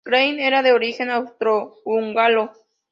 Klein era de origen austro-húngaro.